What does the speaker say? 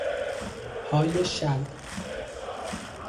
پای شل